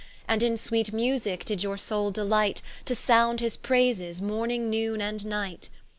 And in sweet musicke did your soule delight, To sound his prayses, morning, noone, and night.